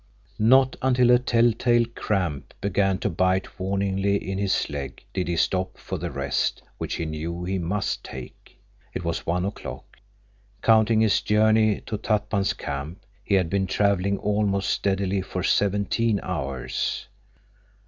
Not until a telltale cramp began to bite warningly in his leg did he stop for the rest which he knew he must take. It was one o'clock. Counting his journey to Tatpan's camp, he had been traveling almost steadily for seventeen hours.